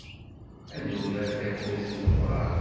Ad nurar takurt n uḍar.